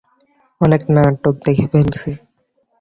অনেক নাটক দেখে ফেলেছি।